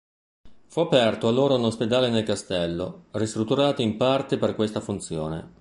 Fu aperto allora un ospedale nel castello, ristrutturato in parte per questa funzione.